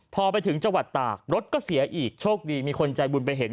พอไปถึงจังหวัดตากรถก็เสียอีกโชคดีมีคนใจบุญไปเห็น